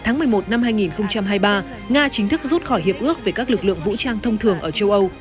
năm một nghìn chín trăm hai mươi ba nga chính thức rút khỏi hiệp ước về các lực lượng vũ trang thông thường ở châu âu